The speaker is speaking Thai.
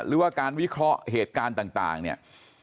หรือว่าการวิเคราะห์เหตุการณ์ต่างเนี่ย